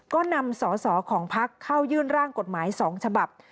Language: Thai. ก็นำสอสอของพักเข้ายื่นร่างกฎหมาย๒ฉบับ